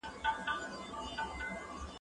ما تېره اونۍ ټول تاريخي متنونه په پوره دقت ولوستل.